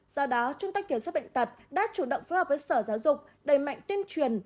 do đó trung tâm kiểm soát bệnh tật đã chủ động phối hợp với sở giáo dục đầy mạnh tuyên truyền